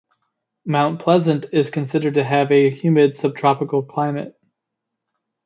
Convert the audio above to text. Mount Pleasant is considered to have a humid subtropical climate.